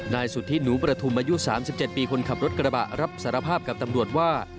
นายสุธิหนูประทุมอายุ๓๗ปีคนขับรถกระบะรับสารภาพกับตำรวจว่า